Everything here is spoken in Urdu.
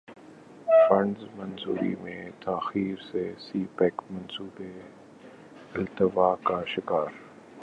فنڈز منظوری میں تاخیر سے سی پیک منصوبے التوا کا شکار